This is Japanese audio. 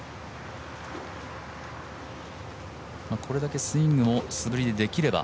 これだけスイングも素振りでできれば。